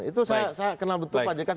itu saya kenal betul pak jk